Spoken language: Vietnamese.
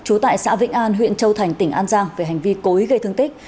trú tại xã vĩnh an huyện châu thành tỉnh an giang về hành vi cối gây thương tích